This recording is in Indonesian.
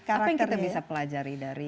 apa yang kita bisa pelajari dari